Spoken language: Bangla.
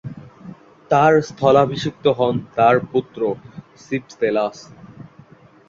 তার স্থলাভিষিক্ত হন তার পুত্র সিপসেলাস।